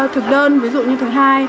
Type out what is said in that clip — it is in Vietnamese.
thực đơn ví dụ như thứ hai